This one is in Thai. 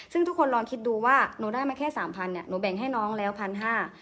ซึ่งทุกคนลองคิดดูว่าหนูได้มาแค่สามพันเนี่ยหนูแบ่งให้น้องแล้วพันห้า